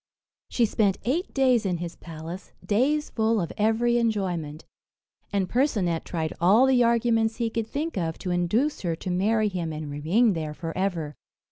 She spent eight days in his palace days full of every enjoyment; and Percinet tried all the arguments he could think of to induce her to marry him, and remain there for ever.